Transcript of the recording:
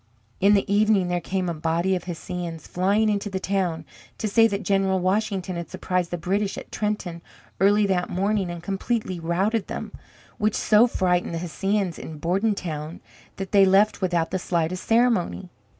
In the evening there came a body of Hessians flying into the town, to say that General Washington had surprised the British at Trenton, early that morning, and completely routed them, which so frightened the Hessians in Bordentown that they left without the slightest ceremony.